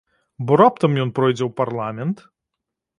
Бо раптам ён пройдзе ў парламент?